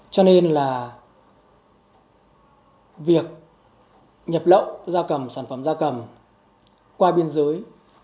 cho nên là việc nhập lậu ra cầm sản phẩm ra cầm qua biên giới